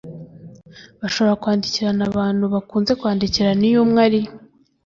bashobora kwandikirana abantu bakunze kwandikirana iyo umwe ari